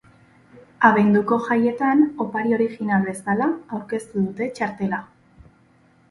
Abenduko jaietan opari oirijinal bezala aurkeztu dute txartela.